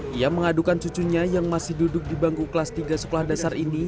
dia mengadukan cucunya yang masih duduk di bangku kelas tiga sekolah dasar ini